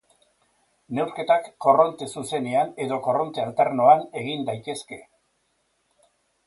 Neurketak korronte zuzenean edo korronte alternoan egin daitezke.